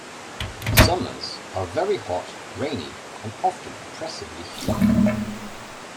Summers are very hot, rainy and often oppressively humid.